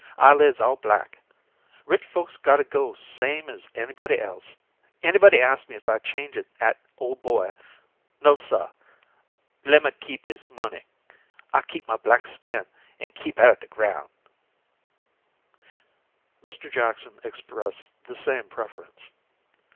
Eyelids all black. Rich folks gotta go same as anybody else. Anybody ast me if I change 'ith 'at ole boy No, suh! Le'm keep 'is money; I keep my black skin an' keep out the ground!" Mr. Jackson expressed the same preference.